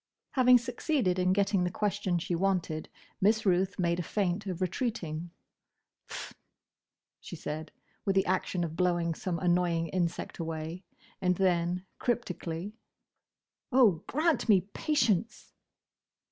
Having succeeded in getting the question she wanted, Miss Ruth made a feint of retreating. "Pfft!" she said, with the action of blowing some annoying insect away, and then, cryptically, "Oh! grant me patience!"